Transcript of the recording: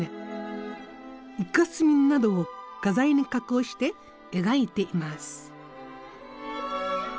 イカ墨などを画材に加工して描いています。